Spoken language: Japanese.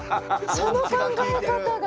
その考え方が。